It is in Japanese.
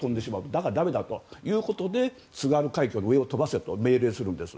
だから駄目だということで津軽海峡の上を飛ばせと命令するんです。